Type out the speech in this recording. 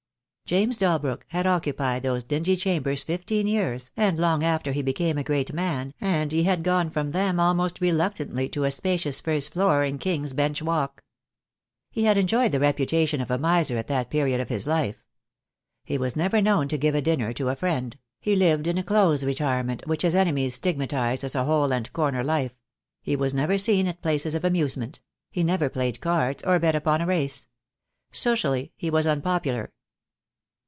James Dalbrook had occupied those dingy chambers fifteen years, and long after he became a great man, and he had gone from them almost reluctantly to a spacious first floor in King's Bench Walk. He had enjoyed the reputation of a miser at that period of his life. He was never known to give a dinner to a friend; he lived in a close retirement which his enemies stigmatized as a hole and corner life; he was never seen at places of amusement; he never played cards, or bet upon a race. Socially he was unpopular.